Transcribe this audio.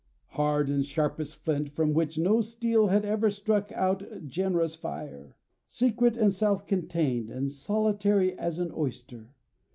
Hard and sharp as flint, from which no steel had ever struck out generous fire; secret and self contained, and solitary as an oyster.